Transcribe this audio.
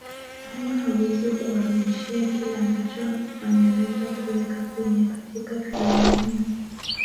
ama hawezi kuwarudishia kile ambacho ameweza kuweka kwenye katika filamu hiyo